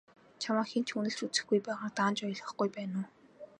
Чамайг хэн ч үнэлж үзэхгүй байгааг даанч ойлгохгүй байна уу?